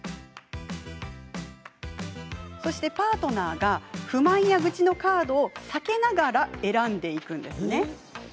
そして、パートナーが不満や愚痴のカードを避けながら選んでいきます。